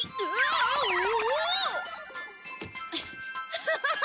アハハハ！